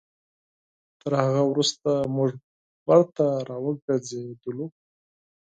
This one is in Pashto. تر هغه وروسته موږ بېرته راوګرځېدلو.